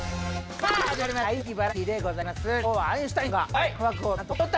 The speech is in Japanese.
さあ始まりました。